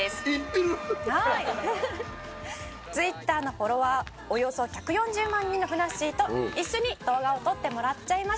「Ｔｗｉｔｔｅｒのフォロワーおよそ１４０万人のふなっしーと一緒に動画を撮ってもらっちゃいました」